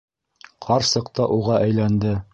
Ҡарсыҡ та уға әйләнде.